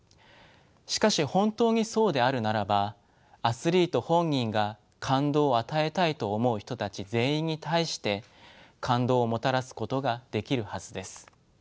しかし本当にそうであるならばアスリート本人が「感動を与えたい」と思う人たち全員に対して感動をもたらすことができるはずです。